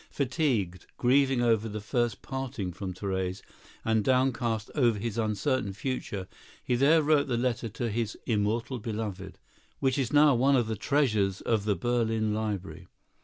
Fatigued, grieving over the first parting from Therese, and downcast over his uncertain future, he there wrote the letter to his "Immortal Beloved," which is now one of the treasures of the Berlin Library.